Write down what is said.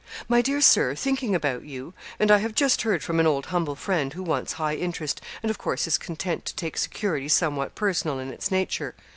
'My dear Sir; thinking about you and I have just heard from an old humble friend, who wants high interest, and of course is content to take security somewhat personal in its nature.